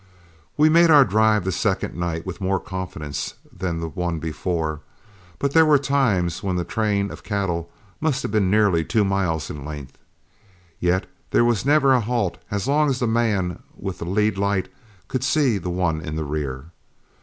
We made our drive the second night with more confidence than the one before, but there were times when the train of cattle must have been nearly two miles in length, yet there was never a halt as long as the man with the lead light could see the one in the rear.